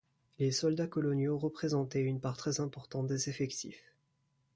Les soldats coloniaux représentaient une part très importante des effectifs.